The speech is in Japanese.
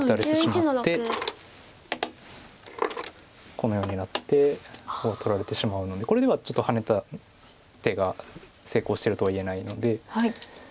このようになって取られてしまうのでこれではちょっとハネた手が成功してるとは言えないので。